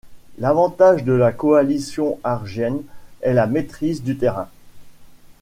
L'avantage de la coalition argienne est la maîtrise du terrain.